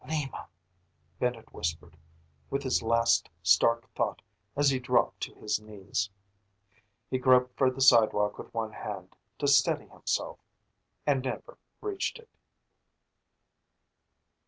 "Lima," Bennett whispered with his last stark thought as he dropped to his knees. He groped for the sidewalk with one hand, to steady himself, and never reached it.